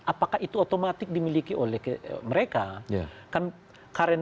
apakah itu otomatis dimiliki oleh mereka